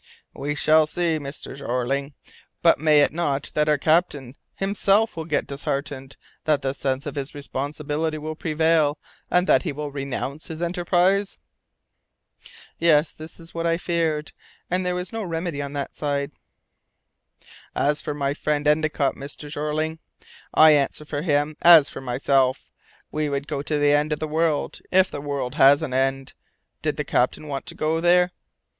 "We shall see, Mr. Jeorling. But may it not be that our captain himself will get disheartened; that the sense of his responsibility will prevail, and that he will renounce his enterprise?" Yes! this was what I feared, and there was no remedy on that side. "As for my friend Endicott, Mr. Jeorling, I answer for him as for myself. We would go to the end of the world if the world has an end did the captain want to go there.